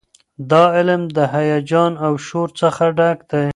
دا علم د هیجان او شور څخه ډک دی.